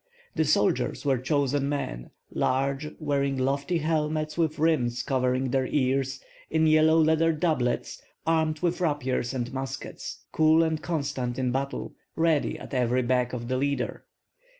The soldiers were chosen men, large, wearing lofty helmets with rims covering their ears, in yellow leather doublets, armed with rapiers and muskets; cool and constant in battle, ready at every beck of the leader.